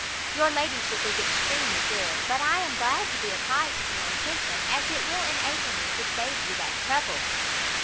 "Your ladyship is extremely good! but I am glad to be apprized of your intention, as it will enable me to save you that trouble."